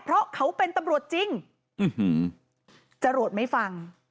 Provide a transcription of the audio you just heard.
เพราะเขาเป็นตำรวจจริงอื้อหือจะหลวดไม่ฟัง